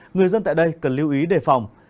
người dân tại đây cần lưu ý đề phòng